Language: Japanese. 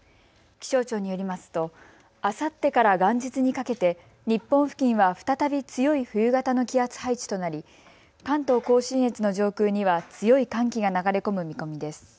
気象庁によりますとあさってから元日にかけて日本付近は再び強い冬型の気圧配置となり、関東甲信越の上空には強い寒気が流れ込む見込みです。